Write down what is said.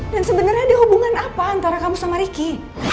dan sebenarnya ada hubungan apa antara kamu sama riki